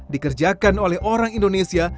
dikerjakan oleh orang indonesia